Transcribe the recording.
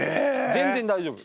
全然大丈夫！